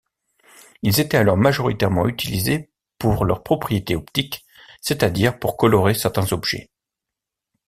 Ils étaient alors majoritairement utilisés pour leurs propriétés optiques, c'est-à-dire pour colorer certains objets.